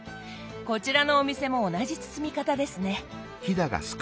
こちらのお店も同じ包み方ですね。